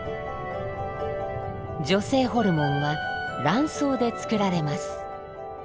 女性ホルモンは卵巣で作られます。